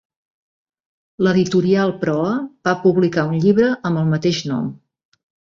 L'editorial Proa va publicar un llibre amb el mateix nom.